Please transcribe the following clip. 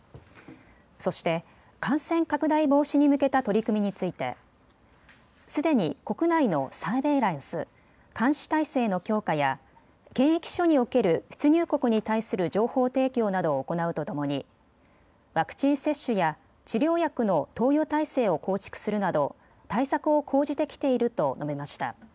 そして感染拡大防止に向けた取り組みについてすでに国内のサーベイランス・監視体制の強化や検疫所における出入国に対する情報提供などを行うとともにワクチン接種や治療薬の投与体制を構築するなど対策を講じてきていると述べました。